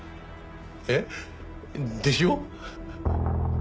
えっ？でしょ？